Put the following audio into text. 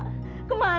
lalu ke mana adik pak